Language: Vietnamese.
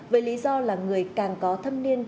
với lý do là người càng có thâm niên